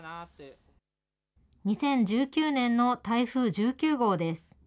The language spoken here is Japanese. ２０１９年の台風１９号です。